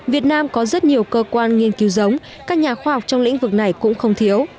việt nam có rất nhiều cơ quan nghiên cứu giống các nhà khoa học trong lĩnh vực này cũng không thiếu